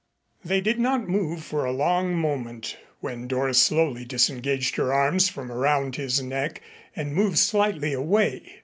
They did not move for a long moment when Doris slowly disengaged her arms from around his neck and moved slightly away.